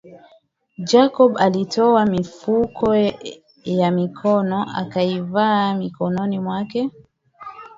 Jacob alitoa mifuko ya mikono akaivaa mikononi mwake